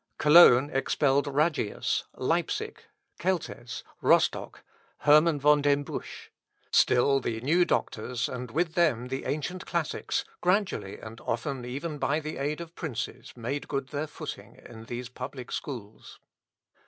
Cologne expelled Rhagius; Leipsic, Celtes; Rostoch, Herman von dem Busch. Still the new doctors, and with them the ancient classics, gradually and often even by the aid of princes, made good their footing in these public schools.